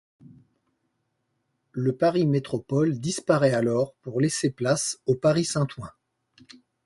Le Paris Métropole disparaît alors, pour laisser placer au Paris Saint-Ouen.